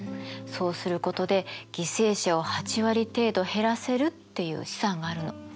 そうすることで犠牲者を８割程度減らせるっていう試算があるの。